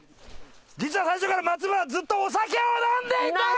「実は最初から松村はずっとお酒を飲んでいた」